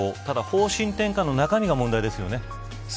ただ、方針転換の中身が問題ですね。